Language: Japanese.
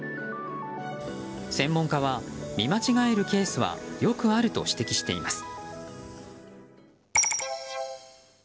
専門家は見間違えるケースはよくあると指摘しています。